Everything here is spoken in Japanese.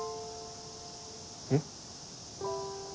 えっ？